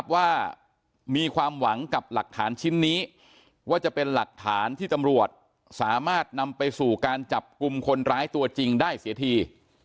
ว่าจะเป็นหลักฐานที่ตำรวจสามารถนำไปสู่การจับกลุ่มคนร้ายตัวจริงได้เสียที